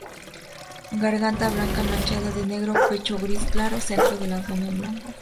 Garganta blanca manchada de negro, pecho gris claro, centro del abdomen blanco.